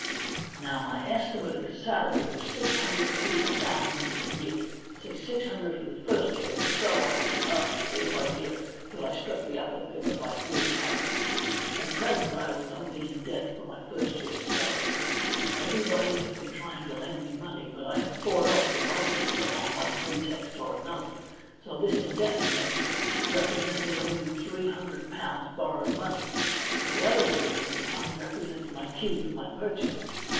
Now, my estimate of the salary was six hundred to a thousand a year ; say, six hundred for the first year, and so on up year by year, till I struck the upper figure by proved merit. At present I was only in debt for my first year's salary. Everybody had been trying to lend me money, but I had fought off the most of them on one pretext or another ; so this indebted ness represented only £300 borrowed money, the other £300 represented my keep and my purchases.